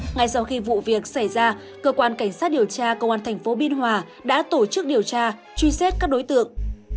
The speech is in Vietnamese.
ngay sau khi vụ việc xảy ra cơ quan cảnh sát điều tra công an tp biên hòa đã tổ chức điều tra truy xét các đối tượng